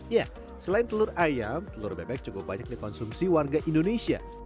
ya selain telur ayam telur bebek cukup banyak dikonsumsi warga indonesia